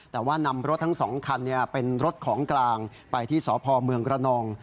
แต่ว่านำรถทั้ง๒คันเป็นรถของกลางไปที่สพเมืองกระนอง